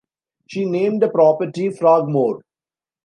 She named the property Frogmore.